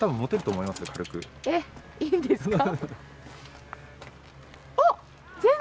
え、いいんですか？